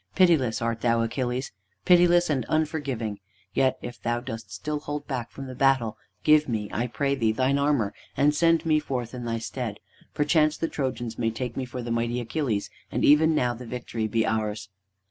Pitiless art thou, Achilles, pitiless and unforgiving. Yet if thou dost still hold back from the battle, give me, I pray thee, thine armor, and send me forth in thy stead. Perchance the Trojans may take me for the mighty Achilles, and even now the victory be ours."